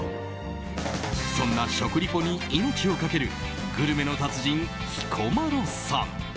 そんな食リポに命をかけるグルメの達人・彦摩呂さん。